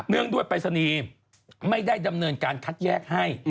เนื่องด้วยไปรษณีย์ไม่ได้ดำเนินการคัดแยกให้